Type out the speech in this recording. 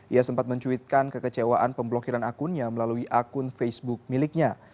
ia sempat mencuitkan kekecewaan pemblokiran akunnya melalui akun facebook miliknya